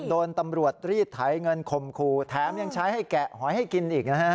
โดนตำรวจรีดไถเงินข่มขู่แถมยังใช้ให้แกะหอยให้กินอีกนะฮะ